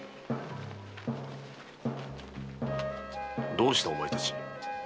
どうしたお前たち？